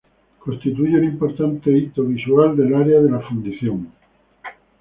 Constituyen un importante hito visual del área de la fundición.